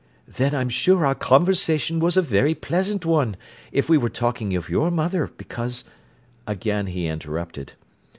"Then I'm sure our conversation was a very pleasant one, if we were talking of your mother, because—" Again he interrupted.